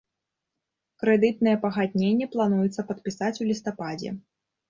Крэдытнае пагадненне плануецца падпісаць у лістападзе.